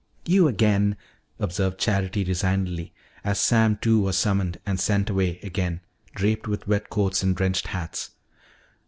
"You, again," observed Charity resignedly as Sam Two was summoned and sent away again draped with wet coats and drenched hats.